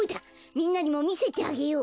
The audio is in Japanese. みんなにもみせてあげよう。